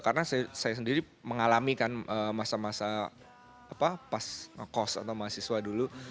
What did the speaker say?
karena saya sendiri mengalami kan masa masa pas kos atau mahasiswa dulu